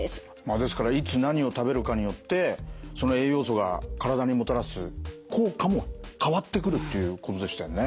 ですからいつ何を食べるかによってその栄養素が体にもたらす効果も変わってくるっていうことでしたよね。